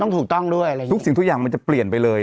ถุกสินทุกอย่างมันจะเปลี่ยนไปเลย